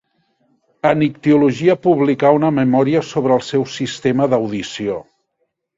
En ictiologia publicà una memòria sobre el seu sistema d'audició.